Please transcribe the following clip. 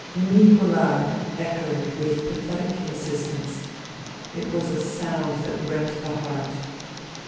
..."' Nikolai — i — i —' echoed with pathetic insistence. It was a sound that rent the heart.